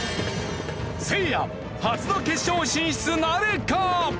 せいや初の決勝進出なるか？